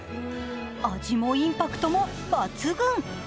味もインパクトも抜群。